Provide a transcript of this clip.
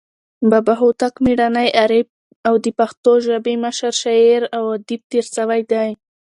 بابا هوتک میړنى، عارف او د پښتو مشر شاعر او ادیب تیر سوى دئ.